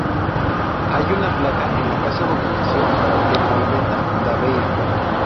Hay una placa en la casa donde nació en Moimenta da Beira.